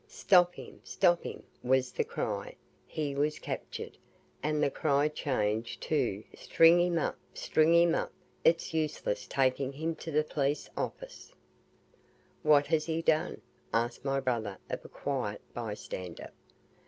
"Stop him stop him," was the cry. He was captured, and the cry changed to, "String him up string him up it's useless taking him to the police office." "What has he done?" asked my brother of a quiet by stander.